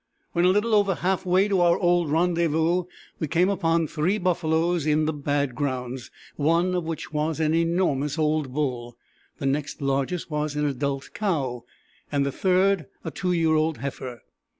When a little over half way to our old rendezvous we came upon three buffaloes in the bad grounds, one of which was an enormous old bull, the next largest was an adult cow, and the third a two year old heifer.